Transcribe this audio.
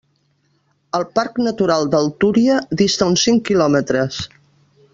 El Parc Natural del Túria dista uns cinc quilòmetres.